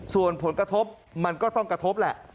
ส่วนผลกระทบมันก็ต้องกระทบแหละ